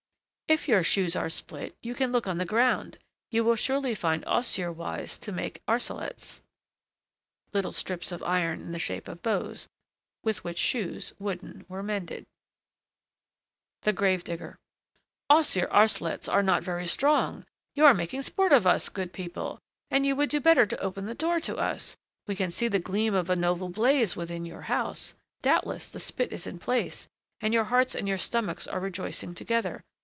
If your shoes are split, you can look on the ground; you will surely find osier withes to make arcelets [little strips of iron in the shape of bows, with which shoes (wooden) were mended]. THE GRAVE DIGGER. Osier arcelets are not very strong. You are making sport of us, good people, and you would do better to open the door to us. We can see the gleam of a noble blaze within your house; doubtless the spit is in place, and your hearts and your stomachs are rejoicing together.